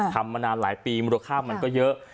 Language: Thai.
มานานหลายปีมูลค่ามันก็เยอะ